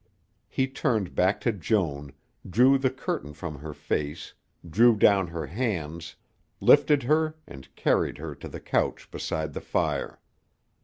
He turned back to Joan, drew the curtain from her face, drew down her hands, lifted her and carried her to the couch beside the fire.